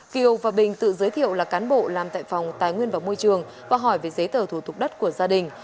kiều và bình tự giới thiệu là cán bộ làm tại phòng tài nguyên và môi trường và hỏi về giấy tờ thủ tục đất của gia đình